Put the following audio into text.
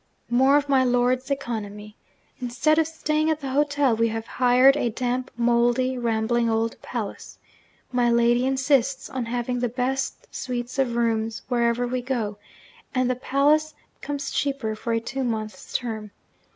'More of my lord's economy! Instead of staying at the hotel, we have hired a damp, mouldy, rambling old palace. My lady insists on having the best suites of rooms wherever we go and the palace comes cheaper for a two months' term.